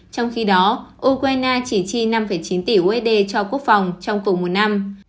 trong khi đó ukraine chỉ chi năm chín tỷ usd cho quốc phòng trong cùng một năm